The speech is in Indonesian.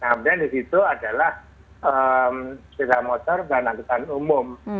kemudian di situ adalah sepeda motor dan angkutan umum